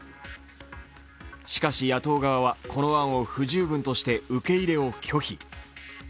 しかし、野党側はこの案を不十分として受け入れを拒否。